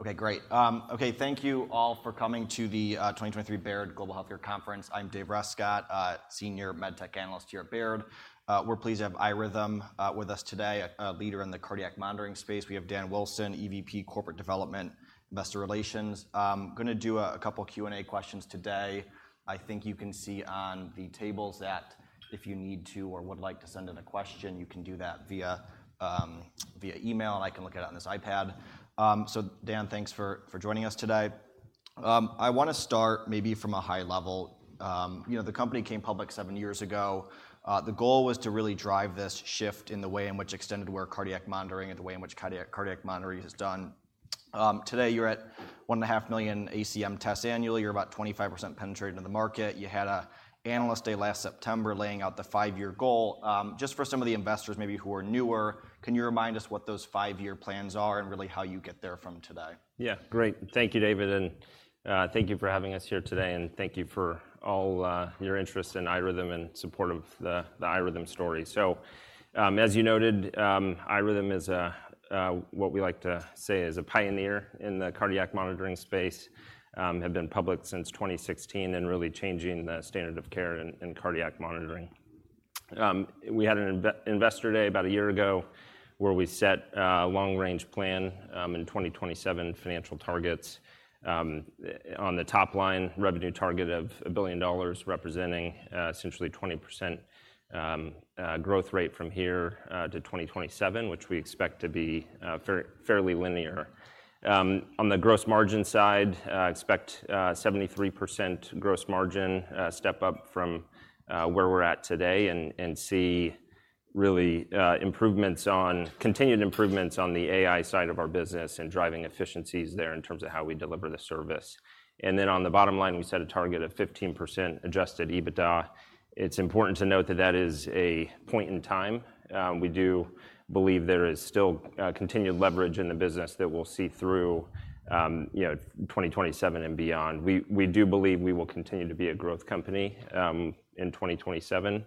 Okay, great. Okay, thank you all for coming to the 2023 Baird Global Healthcare conference. I'm David Rescott, Senior MedTech Analyst here at Baird. We're pleased to have iRhythm with us today, a leader in the cardiac monitoring space. We have Dan Wilson, EVP, Corporate Development, Investor Relations. I'm gonna do a couple Q&A questions today. I think you can see on the tables that if you need to or would like to send in a question, you can do that via email, and I can look it up on this iPad. So Dan, thanks for joining us today. I wanna start maybe from a high level. You know, the company came public seven years ago. The goal was to really drive this shift in the way in which extended wear cardiac monitoring, and the way in which cardiac monitoring is done. Today, you're at 1.5 million ACM tests annually. You're about 25% penetrated in the market. You had an Analyst Day last September, laying out the five-year goal. Just for some of the investors, maybe who are newer, can you remind us what those five-year plans are, and really how you get there from today? Yeah, great. Thank you, David, and thank you for having us here today, and thank you for all your interest in iRhythm and support of the iRhythm story. So, as you noted, iRhythm is a what we like to say is a pioneer in the cardiac monitoring space. Have been public since 2016, and really changing the standard of care in cardiac monitoring. We had an Investor Day about a year ago, where we set a long-range plan in 2027 financial targets. On the top line, revenue target of $1 billion, representing essentially 20% growth rate from here to 2027, which we expect to be fairly linear. On the gross margin side, expect 73% gross margin, step up from where we're at today, and, and see really improvements on continued improvements on the AI side of our business, and driving efficiencies there in terms of how we deliver the service. And then, on the bottom line, we set a target of 15% adjusted EBITDA. It's important to note that that is a point in time. We do believe there is still continued leverage in the business that we'll see through, you know, 2027 and beyond. We, we do believe we will continue to be a growth company in 2027,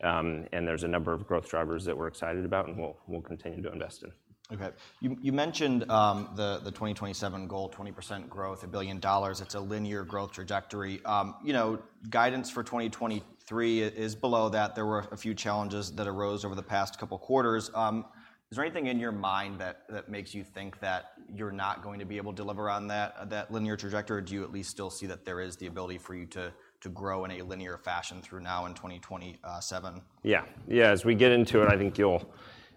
and there's a number of growth drivers that we're excited about, and we'll, we'll continue to invest in. Okay. You mentioned the 2027 goal, 20% growth, $1 billion. It's a linear growth trajectory. You know, guidance for 2023 is below that. There were a few challenges that arose over the past couple quarters. Is there anything in your mind that makes you think that you're not going to be able to deliver on that linear trajectory, or do you at least still see that there is the ability for you to grow in a linear fashion through 2027? Yeah. Yeah, as we get into it, I think you'll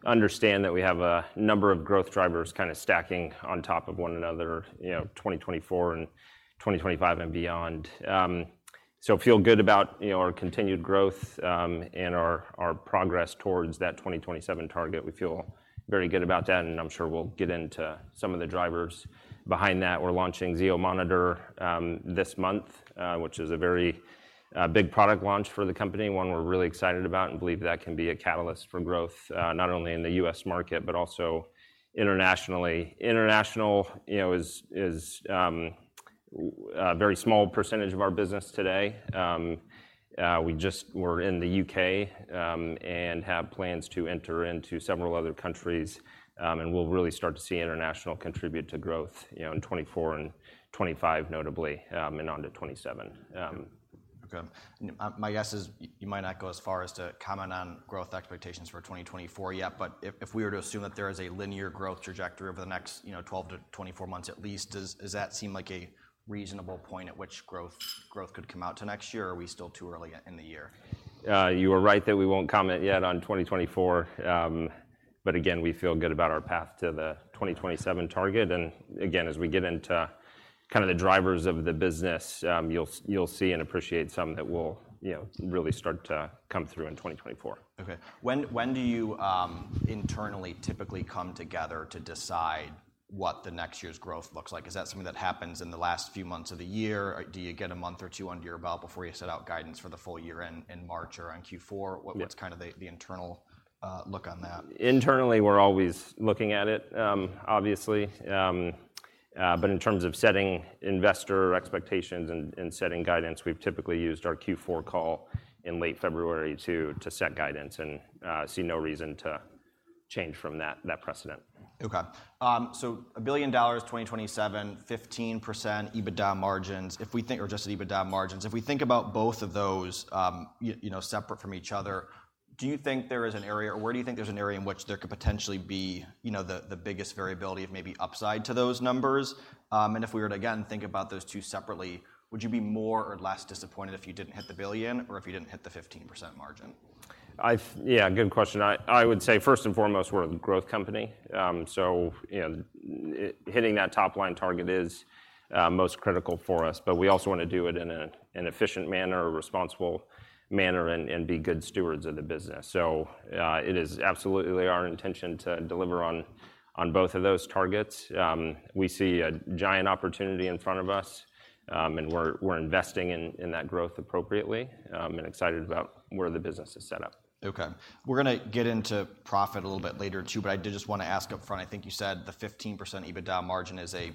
understand that we have a number of growth drivers kinda stacking on top of one another, you know, 2024 and 2025, and beyond. So feel good about, you know, our continued growth, and our progress towards that 2027 target. We feel very good about that, and I'm sure we'll get into some of the drivers behind that. We're launching Zio monitor this month, which is a very big product launch for the company, one we're really excited about, and believe that can be a catalyst for growth, not only in the U.S. market, but also internationally. International, you know, is a very small percentage of our business today. We just... We're in the U.K., and have plans to enter into several other countries, and we'll really start to see international contribute to growth, you know, in 2024 and 2025, notably, and onto 2027. Okay. My guess is you might not go as far as to comment on growth expectations for 2024 yet, but if we were to assume that there is a linear growth trajectory over the next, you know, 12-24 months at least, does that seem like a reasonable point at which growth could come out to next year, or are we still too early in the year? You are right that we won't comment yet on 2024, but again, we feel good about our path to the 2027 target. Again, as we get into kinda the drivers of the business, you'll see and appreciate some that will, you know, really start to come through in 2024. Okay. When do you internally typically come together to decide what the next year's growth looks like? Is that something that happens in the last few months of the year, or do you get a month or two under your belt before you set out guidance for the full year end in March or on Q4? Yeah. What's kind of the internal look on that? Internally, we're always looking at it, obviously. But in terms of setting investor expectations and setting guidance, we've typically used our Q4 call in late February to set guidance, and see no reason to change from that precedent. Okay. So $1 billion, 2027, 15% EBITDA margins. If we think... Or just EBITDA margins. If we think about both of those, you know, separate from each other, do you think there is an area, or where do you think there's an area in which there could potentially be, you know, the biggest variability of maybe upside to those numbers? And if we were to, again, think about those two separately, would you be more or less disappointed if you didn't hit the $1 billion, or if you didn't hit the 15% margin? Yeah, good question. I would say, first and foremost, we're a growth company. So, you know, hitting that top-line target is most critical for us, but we also wanna do it in an efficient manner, a responsible manner, and be good stewards of the business. So, it is absolutely our intention to deliver on both of those targets. We see a giant opportunity in front of us, and we're investing in that growth appropriately, and excited about where the business is set up. Okay. We're gonna get into profit a little bit later, too, but I did just wanna ask upfront. I think you said the 15% EBITDA margin is a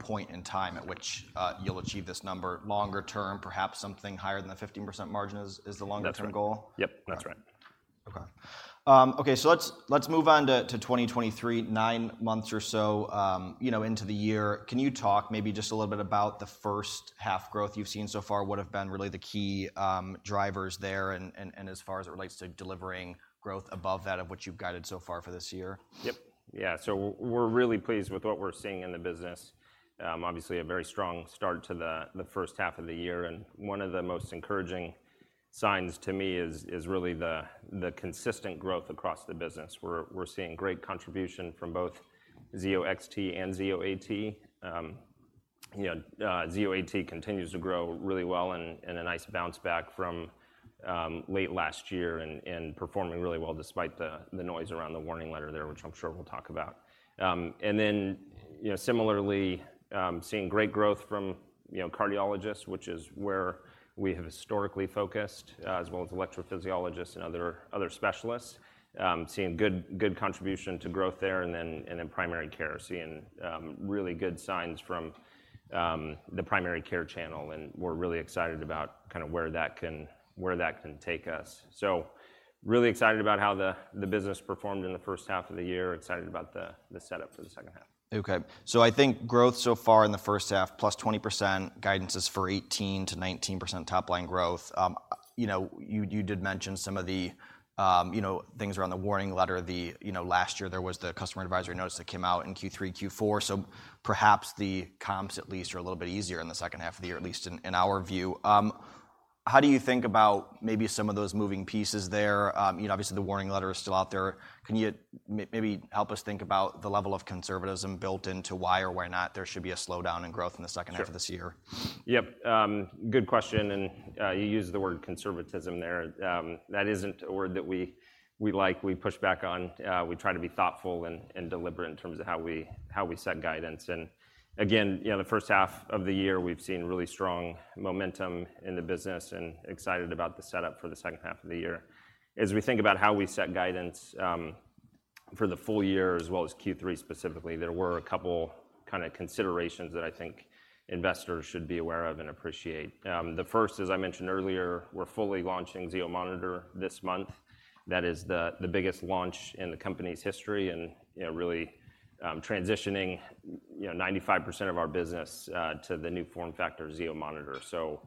point in time at which you'll achieve this number. Longer term, perhaps something higher than the 15% margin is the longer-term goal? That's right. Yep, that's right.... Okay. Okay, so let's move on to 2023, nine months or so, you know, into the year. Can you talk maybe just a little bit about the first half growth you've seen so far? What have been really the key drivers there, and as far as it relates to delivering growth above that of which you've guided so far for this year? Yep. Yeah, so we're really pleased with what we're seeing in the business. Obviously, a very strong start to the first half of the year, and one of the most encouraging signs to me is really the consistent growth across the business. We're seeing great contribution from both Zio XT and Zio AT. You know, Zio AT continues to grow really well and a nice bounce back from late last year, and performing really well despite the noise around the warning letter there, which I'm sure we'll talk about. And then, you know, similarly, seeing great growth from, you know, cardiologists, which is where we have historically focused, as well as electrophysiologists and other specialists. Seeing good contribution to growth there, and then in primary care, seeing really good signs from the primary care channel, and we're really excited about kind of where that can take us. So really excited about how the business performed in the first half of the year, excited about the setup for the second half. Okay. So I think growth so far in the first half, +20%, guidance is for 18%-19% top line growth. You know, you did mention some of the, you know, things around the warning letter. You know, last year, there was the Customer Advisory Notice that came out in Q3, Q4, so perhaps the comps at least are a little bit easier in the second half of the year, at least in our view. How do you think about maybe some of those moving pieces there? You know, obviously, the warning letter is still out there. Can you maybe help us think about the level of conservatism built into why or why not there should be a slowdown in growth in the second- Sure... half of this year? Yep, good question, and you used the word conservatism there. That isn't a word that we, we like, we push back on. We try to be thoughtful and, and deliberate in terms of how we, how we set guidance. And again, you know, the first half of the year, we've seen really strong momentum in the business and excited about the setup for the second half of the year. As we think about how we set guidance, for the full year, as well as Q3 specifically, there were a couple kind of considerations that I think investors should be aware of and appreciate. The first, as I mentioned earlier, we're fully launching Zio monitor this month. That is the biggest launch in the company's history and, you know, really transitioning, you know, 95% of our business to the new form factor Zio monitor. So,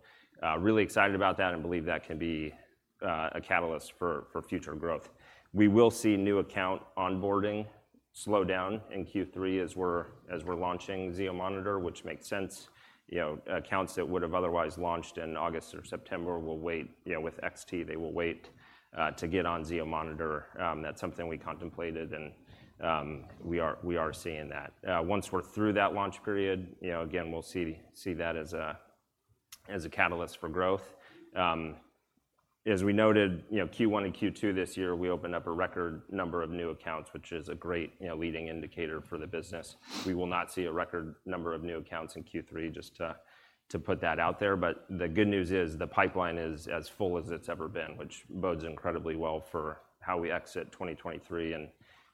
really excited about that and believe that can be a catalyst for future growth. We will see new account onboarding slow down in Q3 as we're launching Zio monitor, which makes sense. You know, accounts that would have otherwise launched in August or September will wait. You know, with XT, they will wait to get on Zio monitor. That's something we contemplated, and we are seeing that. Once we're through that launch period, you know, again, we'll see that as a catalyst for growth. As we noted, you know, Q1 and Q2 this year, we opened up a record number of new accounts, which is a great, you know, leading indicator for the business. We will not see a record number of new accounts in Q3, just to put that out there. But the good news is, the pipeline is as full as it's ever been, which bodes incredibly well for how we exit 2023 and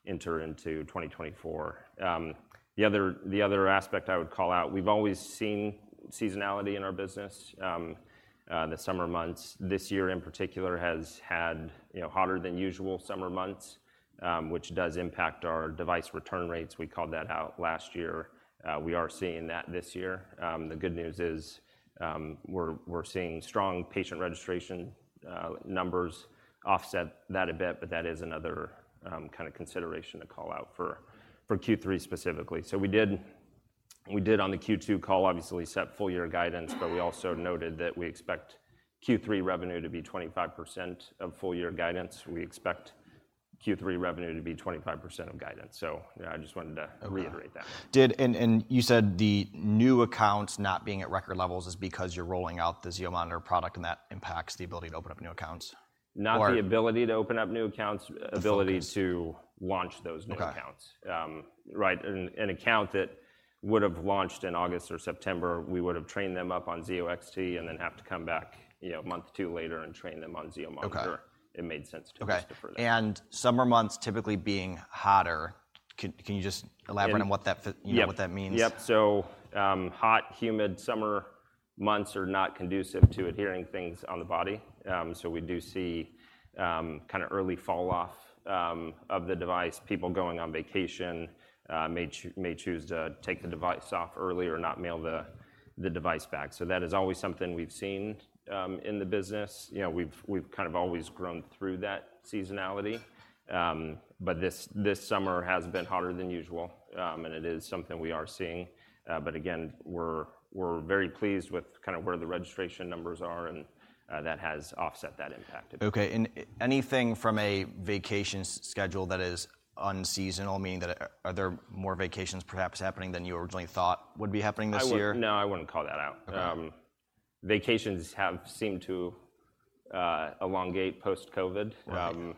enter into 2024. The other aspect I would call out, we've always seen seasonality in our business. The summer months, this year in particular, has had, you know, hotter-than-usual summer months, which does impact our device return rates. We called that out last year. We are seeing that this year. The good news is, we're seeing strong patient registration numbers offset that a bit, but that is another kind of consideration to call out for Q3 specifically. So we did on the Q2 call, obviously set full year guidance, but we also noted that we expect Q3 revenue to be 25% of full year guidance. We expect Q3 revenue to be 25% of guidance. So, you know, I just wanted to- Uh... reiterate that. You said the new accounts not being at record levels is because you're rolling out the Zio monitor product, and that impacts the ability to open up new accounts? Or- Not the ability to open up new accounts- Okay... ability to launch those new accounts. Okay. Right. An account that would have launched in August or September, we would have trained them up on Zio XT, and then have to come back, you know, a month or two later and train them on Zio monitor. Okay. It made sense to us to defer that. Okay. And summer months typically being hotter, can you just- And-... elaborate on what that f- Yep... you know, what that means? Yep. So, hot, humid summer months are not conducive to adhering things on the body. So we do see kind of early fall off of the device. People going on vacation may choose to take the device off early or not mail the device back. So that is always something we've seen in the business. You know, we've kind of always grown through that seasonality. But this summer has been hotter than usual, and it is something we are seeing. But again, we're very pleased with kind of where the registration numbers are, and that has offset that impact. Okay, and anything from a vacation schedule that is unseasonal, meaning that, are there more vacations perhaps happening than you originally thought would be happening this year? No, I wouldn't call that out. Okay. Vacations have seemed to elongate post-COVID. Right.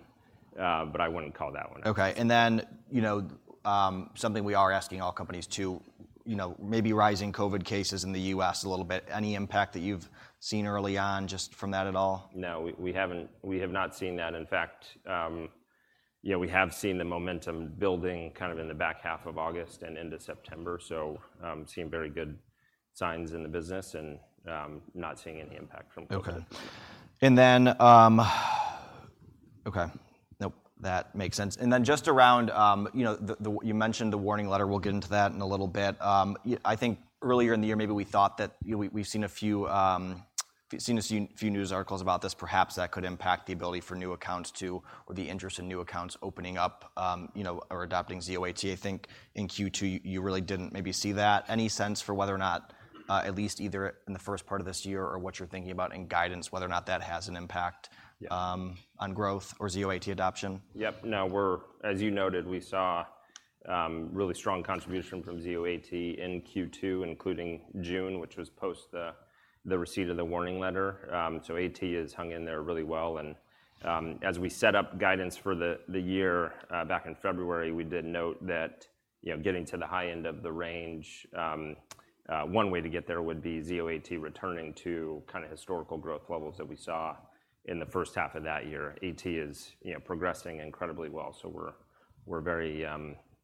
But I wouldn't call that one out. Okay, and then, you know, something we are asking all companies too, you know, maybe rising COVID cases in the U.S. a little bit, any impact that you've seen early on just from that at all? No, we haven't. We have not seen that. In fact, yeah, we have seen the momentum building kind of in the back half of August and into September. So, seeing very good signs in the business and not seeing any impact from COVID. Okay. And then, okay, nope, that makes sense. And then just around, you know, the warning letter, we'll get into that in a little bit. I think earlier in the year, maybe we thought that, you know, we've seen a few news articles about this, perhaps that could impact the ability for new accounts to... or the interest in new accounts opening up, you know, or adopting Zio AT. I think in Q2, you really didn't maybe see that. Any sense for whether or not, at least either in the first part of this year or what you're thinking about in guidance, whether or not that has an impact? Yeah... on growth or Zio AT adoption? Yep. No, as you noted, we saw really strong contribution from Zio AT in Q2, including June, which was post the receipt of the warning letter. So AT has hung in there really well, and as we set up guidance for the year back in February, we did note that, you know, getting to the high end of the range, one way to get there would be Zio AT returning to kind of historical growth levels that we saw in the first half of that year. AT is, you know, progressing incredibly well, so we're very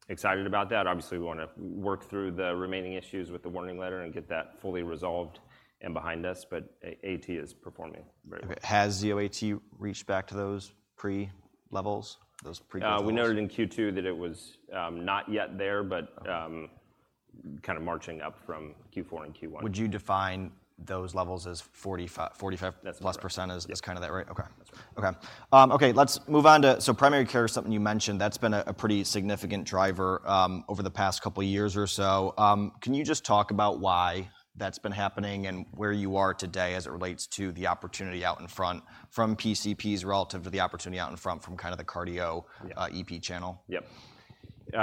excited about that. Obviously, we wanna work through the remaining issues with the warning letter and get that fully resolved and behind us, but AT is performing very well. Has Zio AT reached back to those pre-levels, those pre-levels? We noted in Q2 that it was not yet there, but kind of marching up from Q4 and Q1. Would you define those levels as 45? That's correct. -plus % is Yep... kind of that, right? Okay. That's right. Okay, okay, let's move on to... So primary care is something you mentioned that's been a pretty significant driver over the past couple of years or so. Can you just talk about why that's been happening and where you are today as it relates to the opportunity out in front from PCPs, relative to the opportunity out in front from kind of the cardio- Yeah... EP channel? Yep.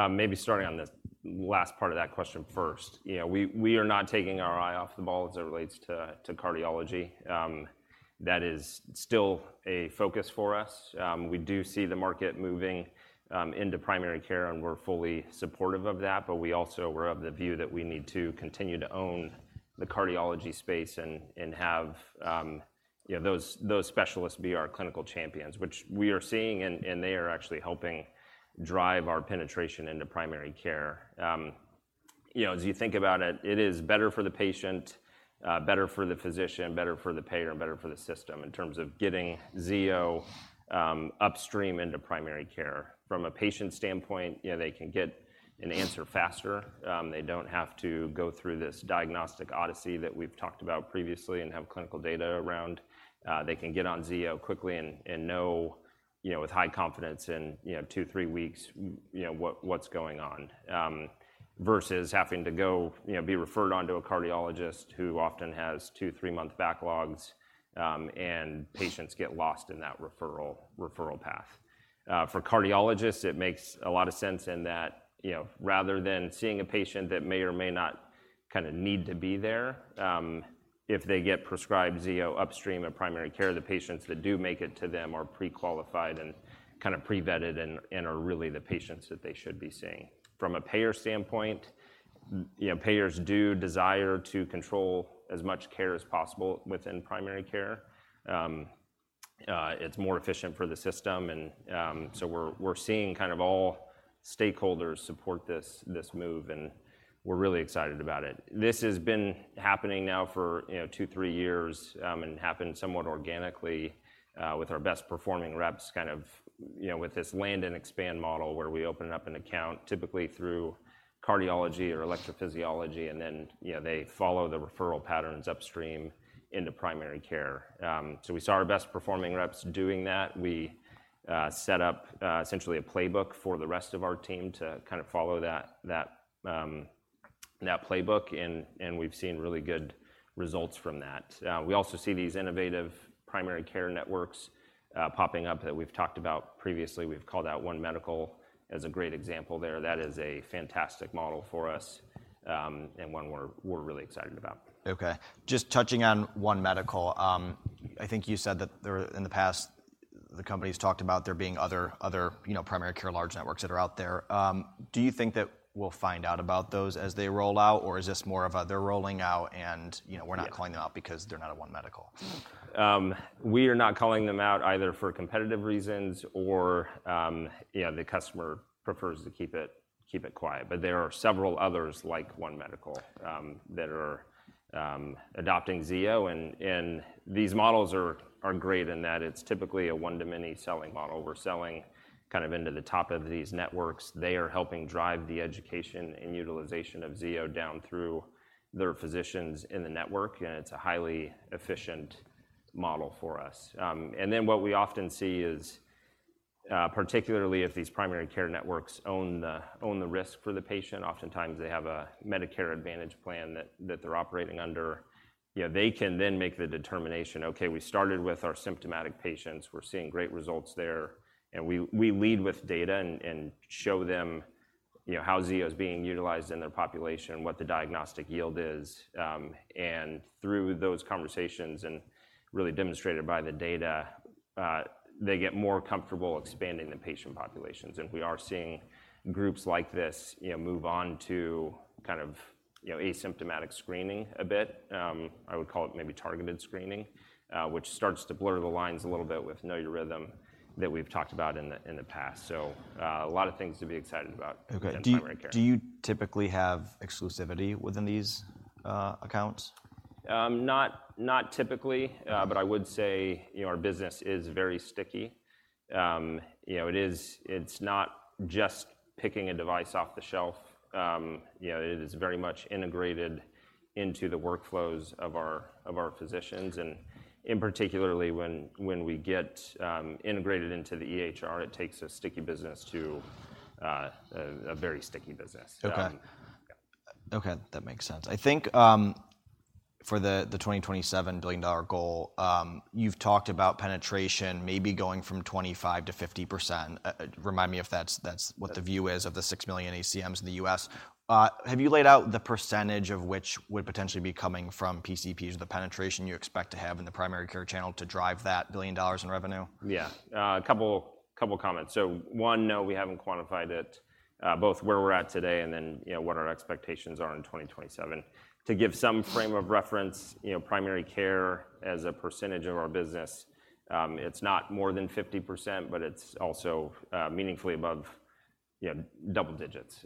Maybe starting on the last part of that question first. You know, we, we are not taking our eye off the ball as it relates to, to cardiology. That is still a focus for us. We do see the market moving into primary care, and we're fully supportive of that. But we also, we're of the view that we need to continue to own the cardiology space and, and have, you know, those, those specialists be our clinical champions. Which we are seeing, and, and they are actually helping drive our penetration into primary care. You know, as you think about it, it is better for the patient, better for the physician, better for the payer, and better for the system in terms of getting Zio upstream into primary care. From a patient standpoint, you know, they can get an answer faster. They don't have to go through this diagnostic odyssey that we've talked about previously and have clinical data around. They can get on Zio quickly and know, you know, with high confidence in, you know, two to three weeks, you know, what's going on. Versus having to go, you know, be referred on to a cardiologist who often has two to three-month backlogs, and patients get lost in that referral path. For cardiologists, it makes a lot of sense in that, you know, rather than seeing a patient that may or may not kind of need to be there, if they get prescribed Zio upstream in primary care, the patients that do make it to them are pre-qualified and kind of pre-vetted and are really the patients that they should be seeing. From a payer standpoint, you know, payers do desire to control as much care as possible within primary care. It's more efficient for the system, and so we're seeing kind of all stakeholders support this move, and we're really excited about it. This has been happening now for, you know, two, three years, and happened somewhat organically, with our best performing reps, kind of, you know, with this land and expand model, where we open up an account, typically through cardiology or electrophysiology, and then, you know, they follow the referral patterns upstream into primary care. So we saw our best performing reps doing that. We set up essentially a playbook for the rest of our team to kind of follow that playbook, and we've seen really good results from that. We also see these innovative primary care networks popping up that we've talked about previously. We've called out One Medical as a great example there. That is a fantastic model for us, and one we're really excited about. Okay. Just touching on One Medical, I think you said that there in the past, the company's talked about there being other, you know, primary care, large networks that are out there. Do you think that we'll find out about those as they roll out, or is this more of a they're rolling out and, you know- Yeah... we're not calling them out because they're not a One Medical? We are not calling them out either for competitive reasons or, you know, the customer prefers to keep it, keep it quiet. But there are several others, like One Medical, that are adopting Zio, and these models are great in that it's typically a one-to-many selling model. We're selling kind of into the top of these networks. They are helping drive the education and utilization of Zio down through their physicians in the network, and it's a highly efficient model for us. And then what we often see is, particularly if these primary care networks own the risk for the patient, oftentimes they have a Medicare Advantage plan that they're operating under. You know, they can then make the determination: "Okay, we started with our symptomatic patients, we're seeing great results there." And we, we lead with data and, and show them, you know, how Zio is being utilized in their population, what the diagnostic yield is. And through those conversations and really demonstrated by the data, they get more comfortable expanding the patient populations. And we are seeing groups like this, you know, move on to kind of, you know, asymptomatic screening a bit. I would call it maybe targeted screening, which starts to blur the lines a little bit with Know Your Rhythm that we've talked about in the, in the past. So, a lot of things to be excited about. Okay - in primary care. Do you, do you typically have exclusivity within these accounts? Not, not typically. But I would say, you know, our business is very sticky. You know, it is, it's not just picking a device off the shelf. You know, it is very much integrated into the workflows of our physicians. And in particular, when we get integrated into the EHR, it takes a sticky business to a very sticky business. Okay. Yeah. Okay, that makes sense. I think, for the 2027 $1 billion goal, you've talked about penetration maybe going from 25%-50%. Remind me if that's what the view is of the 6 million ACMs in the U.S. Have you laid out the percentage of which would potentially be coming from PCPs, the penetration you expect to have in the primary care channel to drive that $1 billion in revenue? Yeah. A couple, couple comments. So one, no, we haven't quantified it, both where we're at today and then, you know, what our expectations are in 2027. To give some frame of reference, you know, primary care as a percentage of our business, it's not more than 50%, but it's also, meaningfully above, you know, double digits.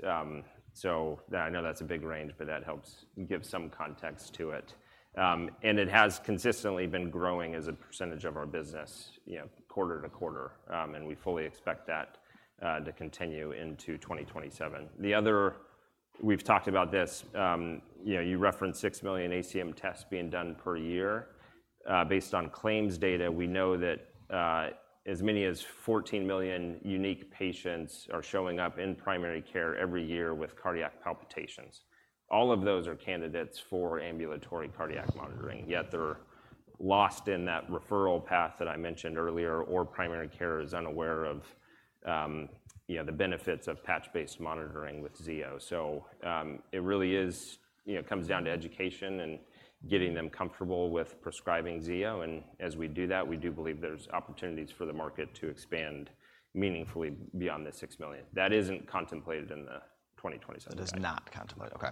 So I know that's a big range, but that helps give some context to it. And it has consistently been growing as a percentage of our business, you know, quarter to quarter. And we fully expect that, to continue into 2027. The other... We've talked about this, you know, you referenced 6 million ACM tests being done per year. Based on claims data, we know that as many as 14 million unique patients are showing up in primary care every year with cardiac palpitations. All of those are candidates for ambulatory cardiac monitoring, yet they're lost in that referral path that I mentioned earlier, or primary care is unaware of, you know, the benefits of patch-based monitoring with Zio. So, it really is... You know, it comes down to education and getting them comfortable with prescribing Zio, and as we do that, we do believe there's opportunities for the market to expand meaningfully beyond the 6 million. That isn't contemplated in the 2027- It is not contemplated. Okay.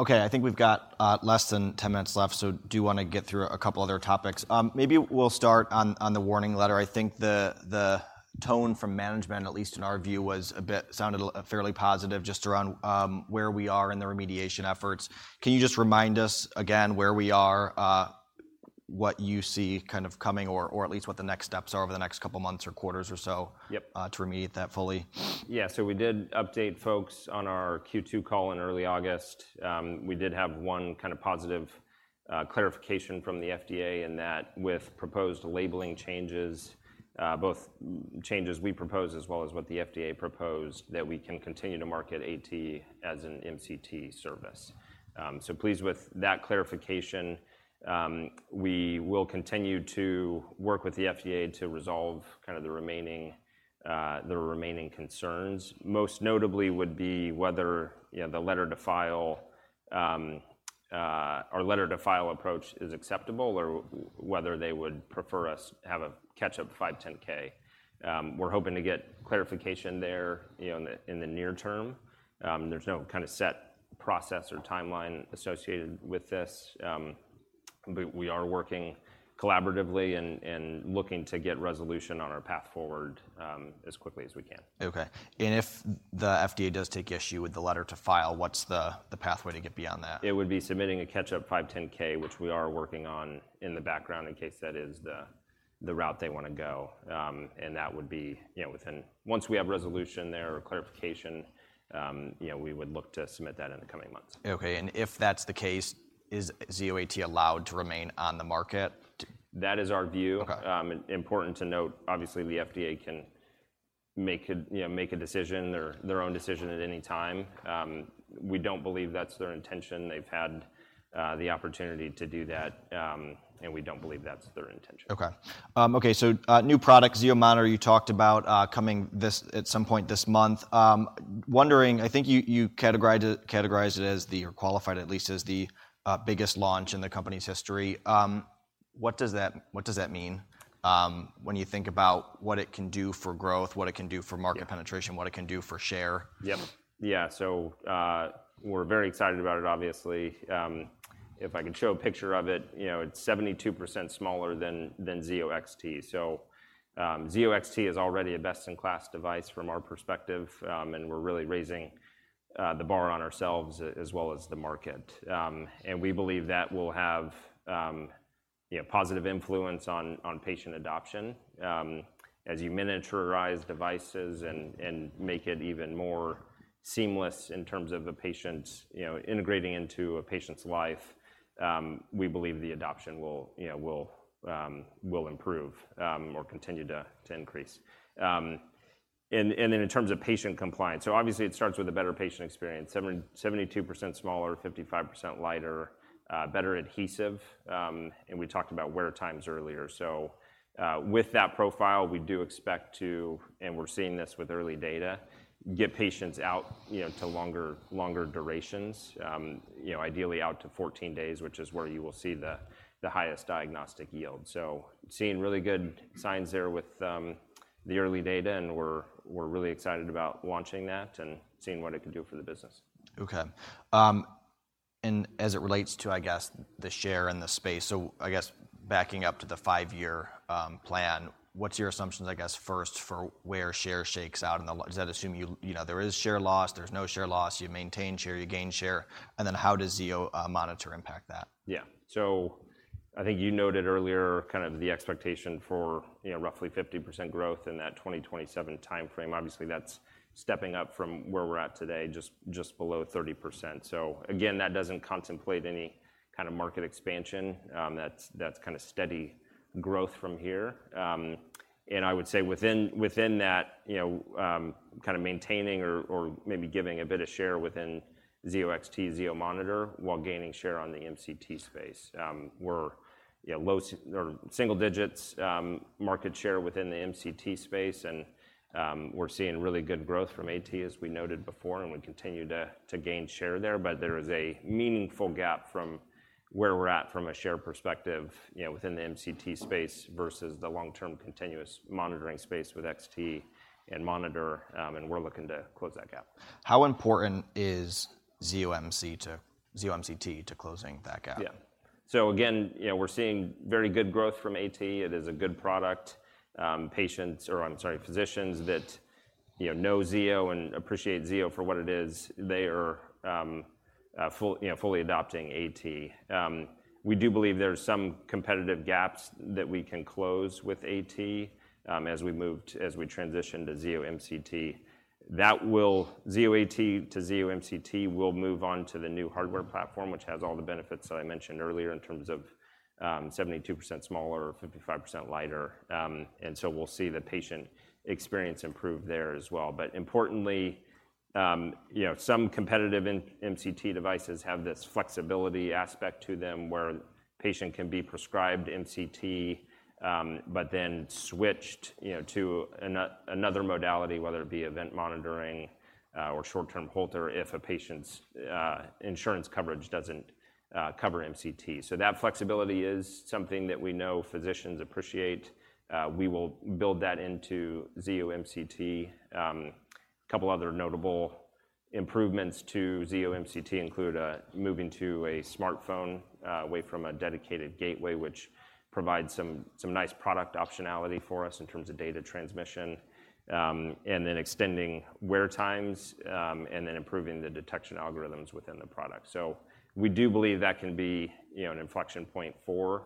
Okay, I think we've got less than 10 minutes left, so I do want to get through a couple other topics. Maybe we'll start on the warning letter. I think the tone from management, at least in our view, was a bit... sounded a fairly positive just around where we are in the remediation efforts. Can you just remind us again where we are, what you see kind of coming or at least what the next steps are over the next couple of months or quarters or so? Yep. - to remediate that fully? Yeah. So we did update folks on our Q2 call in early August. We did have one kind of positive clarification from the FDA, and that with proposed labelling changes, both changes we proposed as well as what the FDA proposed, that we can continue to market AT as an MCT service. So pleased with that clarification. We will continue to work with the FDA to resolve kind of the remaining, the remaining concerns. Most notably would be whether, you know, the letter to file or letter to file approach is acceptable, or whether they would prefer us have a catch-up 510(k). We're hoping to get clarification there, you know, in the near term. There's no kind of set process or timeline associated with this, but we are working collaboratively and looking to get resolution on our path forward, as quickly as we can. Okay. And if the FDA does take issue with the letter to file, what's the pathway to get beyond that? It would be submitting a catch-up 510(k), which we are working on in the background, in case that is the route they wanna go. And that would be, you know, within... Once we have resolution there or clarification, you know, we would look to submit that in the coming months. Okay, and if that's the case, is Zio AT allowed to remain on the market? That is our view. Okay. Important to note, obviously, the FDA can make a decision, you know, their own decision at any time. We don't believe that's their intention. They've had the opportunity to do that, and we don't believe that's their intention. Okay. Okay, so new product, Zio monitor, you talked about coming this, at some point this month. Wondering, I think you categorized it, categorized it as the, or qualified at least as the biggest launch in the company's history. What does that mean when you think about what it can do for growth, what it can do for market- Yeah penetration, what it can do for share? Yep. Yeah, so we're very excited about it, obviously. If I could show a picture of it, you know, it's 72% smaller than Zio XT. So, Zio XT is already a best-in-class device from our perspective, and we're really raising the bar on ourselves as well as the market. And we believe that will have, you know, positive influence on patient adoption. As you miniaturize devices and make it even more seamless in terms of the patient's... You know, integrating into a patient's life, we believe the adoption will, you know, will improve, or continue to increase. And then in terms of patient compliance, so obviously it starts with a better patient experience. 72% smaller, 55% lighter, better adhesive, and we talked about wear times earlier. So, with that profile, we do expect to, and we're seeing this with early data, get patients out, you know, to longer, longer durations. You know, ideally out to 14 days, which is where you will see the highest diagnostic yield. So seeing really good signs there with the early data, and we're really excited about launching that and seeing what it can do for the business. Okay. And as it relates to, I guess, the share in the space, so I guess backing up to the five-year plan, what's your assumptions, I guess, first, for where share shakes out in the long-? Does that assume you, you know, there is share loss, there's no share loss, you maintain share, you gain share, and then how does Zio monitor impact that? Yeah. So I think you noted earlier kind of the expectation for, you know, roughly 50% growth in that 2027 timeframe. Obviously, that's stepping up from where we're at today, just below 30%. So again, that doesn't contemplate any kind of market expansion. That's kind of steady growth from here. And I would say within that, you know, kind of maintaining or maybe giving a bit of share within Zio XT, Zio monitor, while gaining share on the MCT space. We're low single digits market share within the MCT space, and we're seeing really good growth from AT, as we noted before, and we continue to gain share there. There is a meaningful gap from where we're at from a share perspective, you know, within the MCT space versus the long-term continuous monitoring space with XT and Monitor, and we're looking to close that gap. How important is Zio MCT, Zio MCT to closing that gap? Yeah. So again, you know, we're seeing very good growth from AT. It is a good product. Patients or, I'm sorry, physicians that, you know, know Zio and appreciate Zio for what it is, they are fully adopting AT. We do believe there are some competitive gaps that we can close with AT, as we move to—as we transition to Zio MCT. Zio AT to Zio MCT will move on to the new hardware platform, which has all the benefits that I mentioned earlier in terms of, 72% smaller, 55% lighter. And so we'll see the patient experience improve there as well. But importantly, you know, some competitors in MCT devices have this flexibility aspect to them, where a patient can be prescribed MCT, but then switched, you know, to another modality, whether it be event monitoring, or short-term Holter, if a patient's insurance coverage doesn't cover MCT. So that flexibility is something that we know physicians appreciate. We will build that into Zio MCT. A couple other notable improvements to Zio MCT include moving to a smartphone away from a dedicated gateway, which provides some nice product optionality for us in terms of data transmission. And then extending wear times, and then improving the detection algorithms within the product. So we do believe that can be, you know, an inflection point for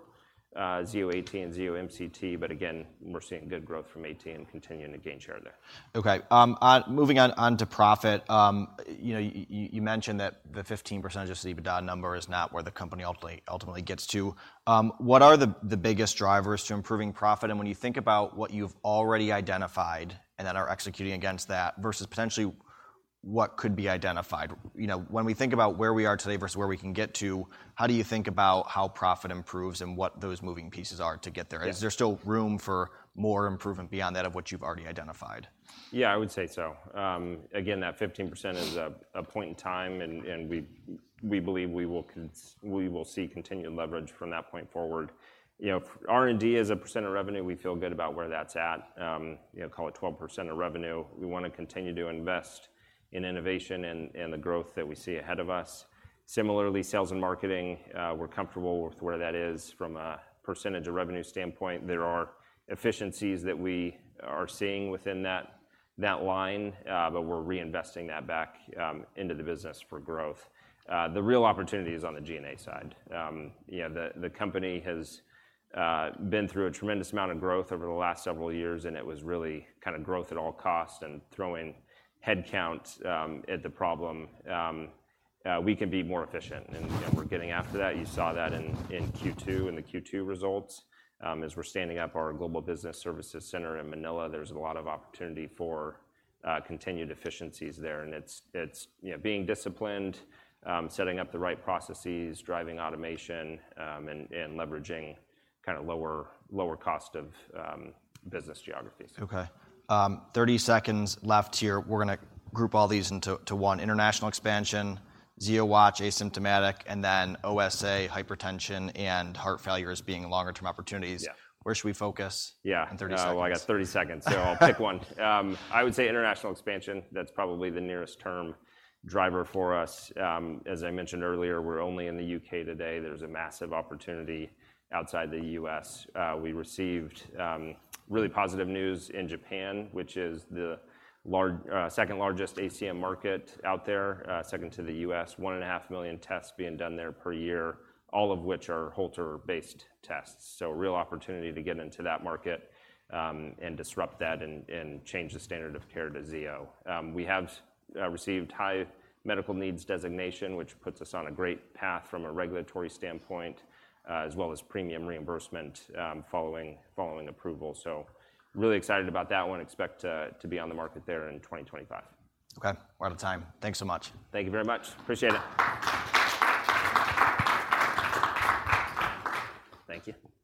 Zio AT and Zio MCT, but again, we're seeing good growth from AT and continuing to gain share there. Okay, Moving on to profit, you know, you mentioned that the 15% adjusted EBITDA number is not where the company ultimately gets to. What are the biggest drivers to improving profit? And when you think about what you've already identified and that are executing against that, versus potentially what could be identified, you know, when we think about where we are today versus where we can get to, how do you think about how profit improves and what those moving pieces are to get there? Yeah. Is there still room for more improvement beyond that of what you've already identified? Yeah, I would say so. Again, that 15% is a point in time, and we believe we will see continued leverage from that point forward. You know, R&D as a percent of revenue, we feel good about where that's at, you know, call it 12% of revenue. We wanna continue to invest in innovation and the growth that we see ahead of us. Similarly, sales and marketing, we're comfortable with where that is from a percentage of revenue standpoint. There are efficiencies that we are seeing within that line, but we're reinvesting that back into the business for growth. The real opportunity is on the G&A side. You know, the company has been through a tremendous amount of growth over the last several years, and it was really kind of growth at all costs and throwing headcount at the problem. We can be more efficient, and we're getting after that. You saw that in Q2, in the Q2 results. As we're standing up our Global Business Services center in Manila, there's a lot of opportunity for continued efficiencies there, and it's you know, being disciplined, setting up the right processes, driving automation, and leveraging kind of lower cost of business geographies. Okay. 30 seconds left here. We're gonna group all these into, to one: international expansion, Zio Watch, asymptomatic, and then OSA, hypertension, and heart failure as being longer term opportunities. Yeah. Where should we focus- Yeah. -in 30 seconds? Well, I got 30 seconds—so I'll pick one. I would say international expansion. That's probably the nearest term driver for us. As I mentioned earlier, we're only in the U.K. today. There's a massive opportunity outside the U.S. We received really positive news in Japan, which is the large, second largest ACM market out there, second to the U.S. 1.5 million tests being done there per year, all of which are Holter-based tests. So real opportunity to get into that market and disrupt that and change the standard of care to Zio. We have received high medical needs designation, which puts us on a great path from a regulatory standpoint, as well as premium reimbursement following approval. So really excited about that one. Expect to be on the market there in 2025. Okay, we're out of time. Thank you so much. Thank you very much. Appreciate it. Thank you.